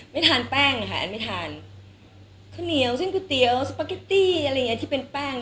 ไม่ทานแป้งค่ะอันไม่ทานข้าวเหนียวเส้นก๋วยเตี๋ยวสปาเกตตี้อะไรอย่างเงี้ที่เป็นแป้ง